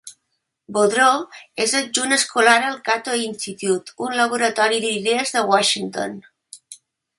Boudreaux és adjunt escolar al Cato Institute, un laboratori d'idees de Washington.